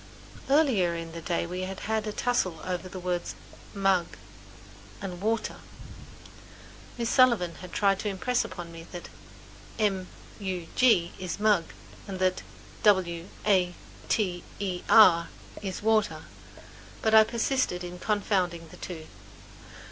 Earlier in the day we had had a tussle over the words "m u g" and "w a t e r." Miss Sullivan had tried to impress it upon me that "m u g" is mug and that "w a t e r" is water, but I persisted in confounding the two.